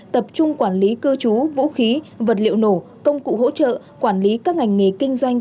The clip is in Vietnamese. tập trung quản lý cư trú vũ khí vật liệu nổ công cụ hỗ trợ quản lý các ngành nghề kinh doanh